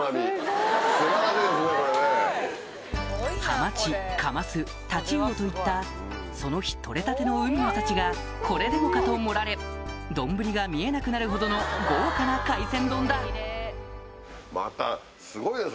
ハマチカマスタチウオといったその日取れたての海の幸がこれでもかと盛られ丼が見えなくなるほどの豪華な海鮮丼だ